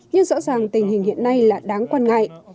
nhưng rõ ràng tình hình hiện nay là đáng quan ngại